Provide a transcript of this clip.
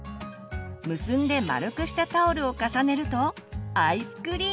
結んで丸くしたタオルを重ねるとアイスクリーム。